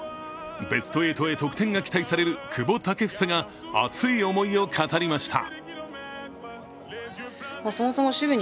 ベスト８へ得点が期待される久保建英が熱い思いを語りました。